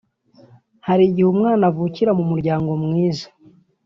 Hari igihe umwana avukira mu muryango mwiza